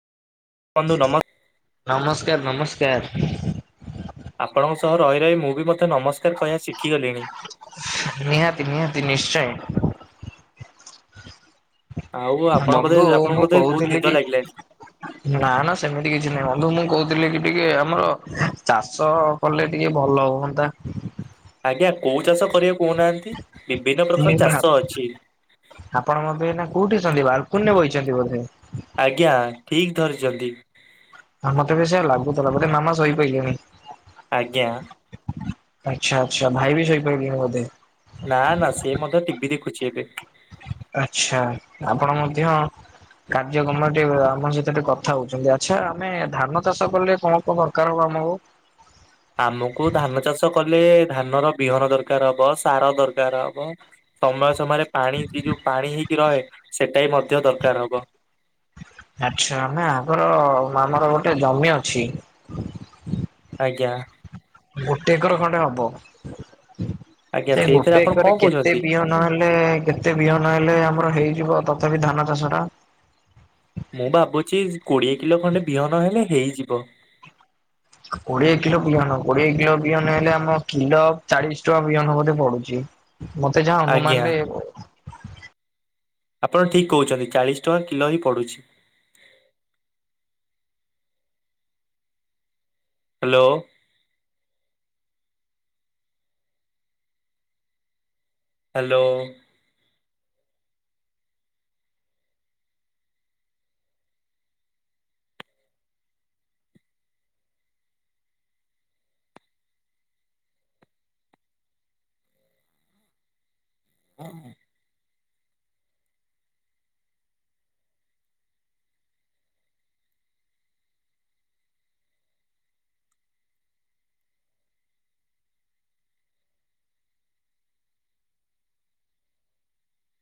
ବନ୍ଧୁ ନମସ୍କାର। ନମସ୍କାର ନମସ୍କାର। ଆପଣଙ୍କ ସହ ରହି ରହି ମୁଁ ବି ମଧ୍ଯ ନମସ୍କାର କହିବା ଶିଖିଗଲିଣି। ନିହାତି ନିହାତି ନିଶ୍ଚୟ। ଆଉ ଆପଣ ବୋଧେ ବନ୍ଧୁ ଆପଣଙ୍କୁ ମୁଁ ବୋଧେ ବହୁତ କହୁଥିଲି ନିଦ କି। ଲାଗିଲାଣି। ନା ନା ସେମିତି କିଛି ନାହିଁ ବନ୍ଧୁ ମୁଁ କହୁଥିଲି କି ଟିକେ ଆମର ଚାଷ କଲେ ଟିକେ ଭଲ ହୁଅନ୍ତା। ଆଜ୍ଞା କୋଉ ଚାଷ କରିବା କହୁନାହାନ୍ତି? ବିଭିନ୍ନ ପ୍ରକାର ଚାଷ ଅଛି। [unintelligible] ଆପଣ ବୋଧେ ଏଇନା କୋଉଠି ଅଛନ୍ତି ବାଲକୁନି ରେ ବଇଛନ୍ତି ବୋଧେ? ଆଜ୍ଞା ଠିକ୍ ଧରିଛନ୍ତି। ମତେ ବି ସେଇଆ ଲାଗୁଥିଲା ଏପଟେ ମାମା ଶୋଇପଇଲେଣିି। ଆଜ୍ଞା। ଆଚ୍ଛା ଆଚ୍ଛା ଭାଇ ବି ଶୋଇପଡ଼ିଲେଣି ବୋଧେ? ନା ନା ସିଏ ମଧ୍ୟ ଟିଭି ଦେଖୁଛି ଏବେ। ଆଛା ଆପଣ ମଧ୍ୟ କାର୍ଯ୍ୟକ୍ରମ ଟିକେ ଆମ ସହିତ ଟିକେ କଥା ହଉଛନ୍ତି ଆଛା ଆମେ ଧାନ ଚାଷ କଲେ କଣ କଣ ଦରକାର୍ ହବ ଆମକୁ? ଆମକୁ ଧାନ ଚାଷ କଲେ ଧାନର ବିହନ ଦରକାର ହବ, ସାର ଦରକାର ହବ। ସମୟ ସମୟରେ ପାଣି ଇ ଯୋଉ ପାଣି ହେଇକି ରହେ ସେଟା ବି ମଧ୍ୟ ଦରକାର ହବ। ଆଚ୍ଛା ନା ଆମର ଆମର ଗୋଟେ ଜମି ଅଛି। ଆଜ୍ଞା। ଗୋଟେ ଏକର ଖଣ୍ଡେ ହବ ଆଜ୍ଞା ସେଇ ସେଇଥିରେ ଗୋଟେ ଆପଣ କଣ ଏକରରେ କେତେ କହୁଛନ୍ତି? ବିହ ନ ହେଲେ କେତେ ବିହନ ହେଲେ ଆମର ହେଇଯିବ ତଥାପି ଧାନ ଚାଷ ଟା? ମୁଁ ଭାବୁଛି କୋଡିଏ କିଲୋ ଖଣ୍ଡେ ବିହନ ହେଲେ ହେଇଯିବ। କୋଡିଏ କିଲୋ ବିହନ କୋଡିଏ କିଲୋ ବିହନ ହେଲେ ଆମ କିଲୋ ଚାଳିଶ ଟଙ୍କା ବିହନ ବୋଧେ ପଡୁଛି? ମତେ ଯାହା ଆଜ୍ଞା ଅନୁମାନରେ ଆପଣ ଠିକ୍ କହୁଛନ୍ତି ଚାଳିଶ ଟଙ୍କା କିଲୋ ହିଁ ପଡ଼ୁଛି। ହ୍ୟାଲୋ। ହ୍ୟାଲୋ। [inaudible]